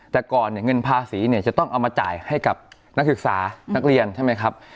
แต่ก่อนเนี่ยเงินภาษีเนี่ยจะต้องเอามาจ่ายให้กับนักศึกษานักเรียนใช่ไหมครับ